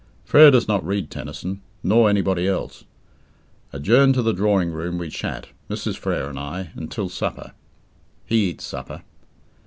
Frere does not read Tennyson nor anybody else. Adjourned to the drawing room, we chat Mrs. Frere and I until supper. (He eats supper.)